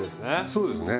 そうですね。